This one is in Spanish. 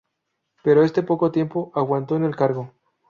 Pero este poco tiempo aguantó en el cargo.